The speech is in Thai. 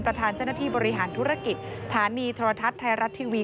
ประธานเจ้าหน้าที่บริหารธุรกิจสถานีโทรทัศน์ไทยรัฐทีวี